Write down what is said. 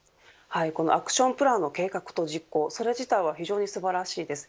アクションプランの計画と実行それ自体はひじょうに素晴らしいらしいです。